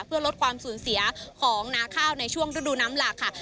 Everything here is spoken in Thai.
เพื่อลดความสูญเสียของนาข้าวในช่วงฤดูน้ำหลากค่ะ